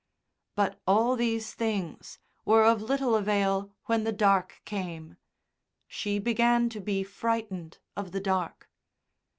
But all these things were of little avail when the dark came. She began to be frightened of the dark.